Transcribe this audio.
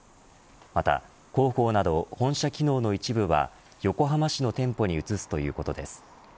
また、広報など本社機能の一部は横浜市の店舗に移すということです。